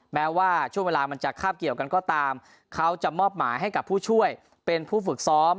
แม้ว่าช่วงเวลามันจะคาบเกี่ยวกันก็ตามเขาจะมอบหมายให้กับผู้ช่วยเป็นผู้ฝึกซ้อม